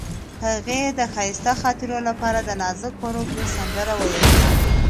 هغې د ښایسته خاطرو لپاره د نازک غروب سندره ویله.